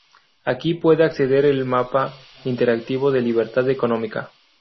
Aquí puede acceder el mapa interactivo de libertad económica.